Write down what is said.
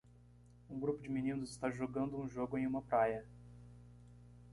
Um grupo de meninos está jogando um jogo em uma praia.